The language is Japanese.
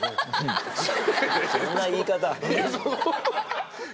そんな言い方。